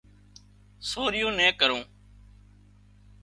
سوريون نين ڪرُون